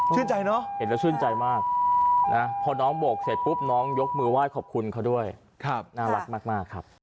เนอะเห็นแล้วชื่นใจมากนะพอน้องโบกเสร็จปุ๊บน้องยกมือไหว้ขอบคุณเขาด้วยน่ารักมากครับ